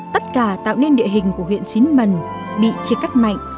tất cả tạo nên địa hình của huyện xín mần bị chia cắt mạnh